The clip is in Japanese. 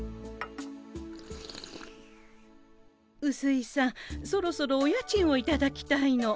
うすいさんそろそろお家賃をいただきたいの。